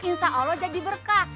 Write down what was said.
insya allah jadi berkah